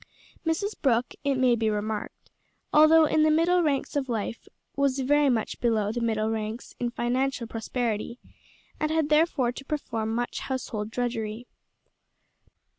Mrs Brooke, it may be remarked, although in the middle ranks of life, was very much below the middle ranks in financial prosperity, and had therefore to perform much household drudgery.